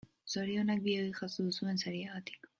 Zorionak bioi jaso duzuen sariagatik.